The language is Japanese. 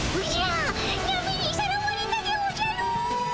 波にさらわれたでおじゃる！